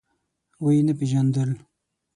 ويې نه پيژاندل.